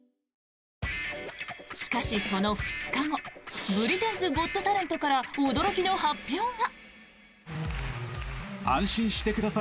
しかし、その２日後「ブリテンズ・ゴット・タレント」から驚きの発表が。